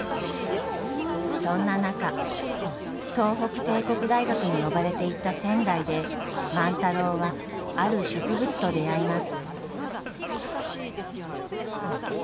そんな中東北帝国大学に呼ばれて行った仙台で万太郎はある植物と出会います。